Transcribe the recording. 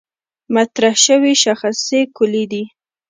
مطرح شوې شاخصې کُلي دي.